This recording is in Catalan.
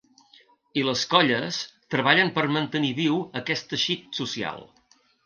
I les colles treballen per mantenir viu aquest teixit social.